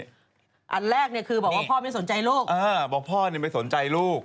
อันแรกเนี่ยคือบอกว่าพ่อไม่สนใจลูก